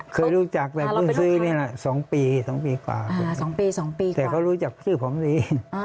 เคยรู้จักแต่ผมซื้อสองปีกว่าแต่เขารู้จักชื่อผมดี